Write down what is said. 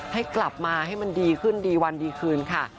ให้กลับมาให้มันดีขึ้นดีวันดีคืนค่ะ